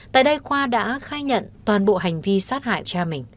tại đây khoa đã khai nhận toàn bộ hành vi sát hại cha mình